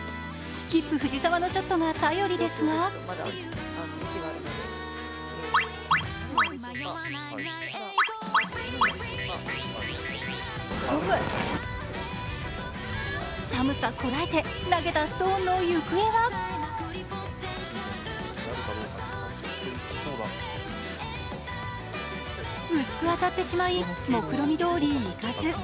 スキップ・藤澤のショットが頼りですが寒さこらえて投げたストーンの行方は薄く当たってしまいもくろみどおりいかず。